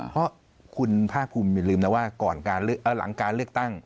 เพราะท่านป้าภูมิลืมนะว่าก่อนการเลือกตั้ง